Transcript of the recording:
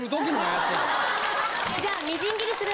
じゃあみじん切りする。